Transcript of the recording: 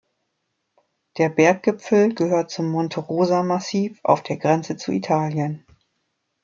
Der Berggipfel gehört zum Monte-Rosa-Massiv auf der Grenze zu Italien.